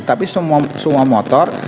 tapi semua motor